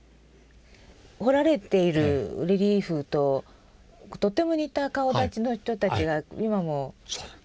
彫られているレリーフととっても似た顔だちの人たちが今も。そう。